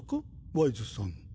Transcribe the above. ワイズさん。